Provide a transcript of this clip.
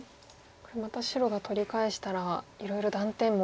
これまた白が取り返したらいろいろ断点も。